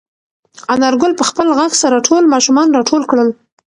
انارګل په خپل غږ سره ټول ماشومان راټول کړل.